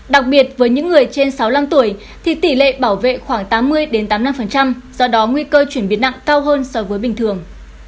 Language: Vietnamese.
đặc biệt với những người trên sáu mươi năm tuổi thì tỷ lệ bảo vệ khoảng tám mươi tám mươi năm do đó nguy cơ chuyển biến nặng cao hơn so với bình thường